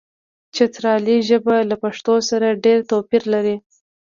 چترالي ژبه له پښتو سره ډېر توپیر لري.